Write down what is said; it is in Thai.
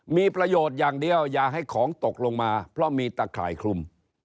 มีประโยชน์อย่างเดียวอย่าให้ของตกลงมาเพราะมีตะข่ายคลุม